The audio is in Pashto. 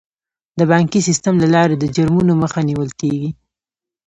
د بانکي سیستم له لارې د جرمونو مخه نیول کیږي.